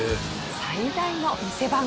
最大の見せ場が。